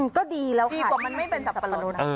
ก็ดีแล้วดีกว่ามันไม่เป็นสับปะรดนะ